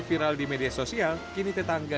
viral di media sosial kini tetangga